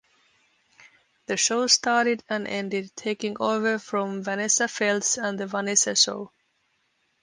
The show started and ended taking over from Vanessa Feltz and the "Vanessa" show.